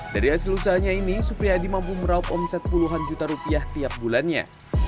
dari hasil usahanya ini supriyadi mampu meraup omset puluhan juta rupiah tiap bulannya